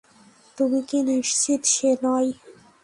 তুমি কি নিশ্চিত, শেনয়?